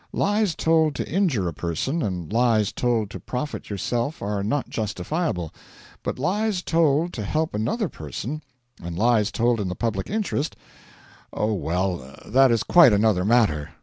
Lies told to injure a person and lies told to profit yourself are not justifiable, but lies told to help another person, and lies told in the public interest oh, well, that is quite another matter.